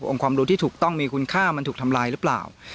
ความรู้ที่ถูกต้องมีคุณค่ามันถูกทำลายหรือเปล่า